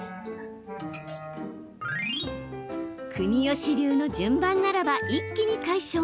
国吉流の順番ならば一気に解消。